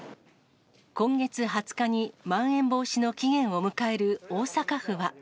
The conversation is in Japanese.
今月２０日にまん延防止の期限を迎える大阪府は。